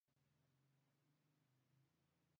دا د اسرا او معراج پر وخت و.